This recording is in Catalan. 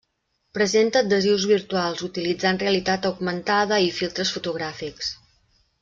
Presenta adhesius virtuals utilitzant realitat augmentada i filtres fotogràfics.